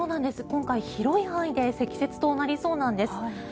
今回、広い範囲で積雪となりそうです。